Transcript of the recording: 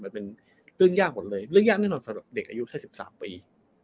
มันเป็นเรื่องยากหมดเลยเรื่องยากแน่นอนสำหรับเด็กอายุแค่๑๓ปี